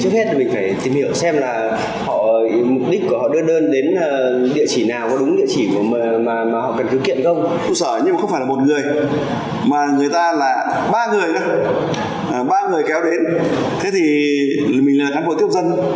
thế thì mình là cán bộ tiêu dân mình xử lý như thế nào